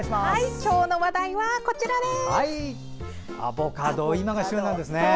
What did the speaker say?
今日の話題はこちらです。